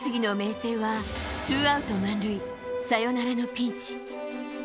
青はツーアウト満塁サヨナラのピンチ。